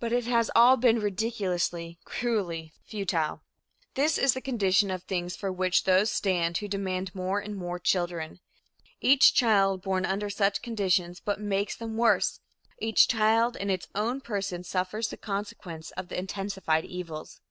But it has all been ridiculously, cruelly futile. This is the condition of things for which those stand who demand more and more children. Each child born under such conditions but makes them worse each child in its own person suffers the consequence of the intensified evils.